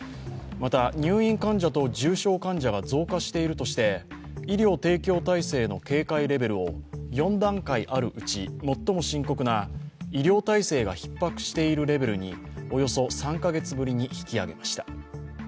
また、入院患者と重症患者が増加しているとして医療提供体制の警戒レベルを４段階あるうち最も深刻な医療体制がひっ迫しているレベルにおよそ３か月ぶりに引き上げました